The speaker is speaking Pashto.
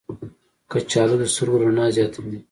کچالو د سترګو رڼا زیاتوي.